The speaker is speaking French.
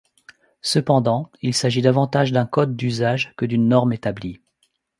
Cependant, il s'agit davantage d'un code d'usage que d'une norme établie.